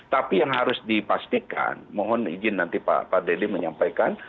tapi yang harus dipastikan mohon izin nanti pak deli menyampaikan